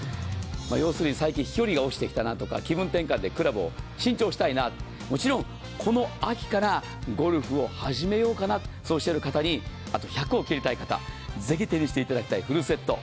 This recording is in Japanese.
要するに最近飛距離が落ちてきたなとか気分転換でクラブを新調したいな、もちろんこの秋からゴルフを始めようかな、そうしている方に、あと１００を切りたい方、ぜひ手にしていただきたいフルセット。